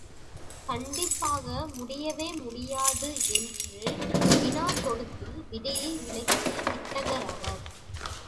கண்டிப்பாக முடியவே முடியாது என்று வினா தொடுத்து விடையை விளக்கிய வித்தகர் அவர்!